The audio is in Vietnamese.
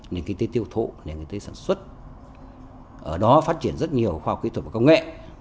nền kinh tế tiêu thụ nền kinh tế sản xuất ở đó phát triển rất nhiều khoa học kỹ thuật và công nghệ